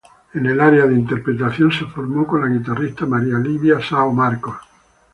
En el área de interpretación, se formó con la guitarrista María Livia São Marcos.